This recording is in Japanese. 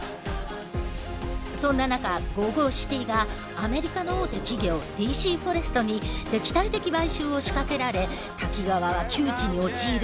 そんな中ＧＯＧＯＣＩＴＹがアメリカの大手企業ＤＣフォレストに敵対的買収を仕掛けられ滝川は窮地に陥る。